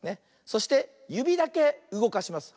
そしてゆびだけうごかします。